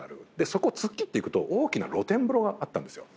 そこを突っ切って行くと大きな露天風呂があったんですよ。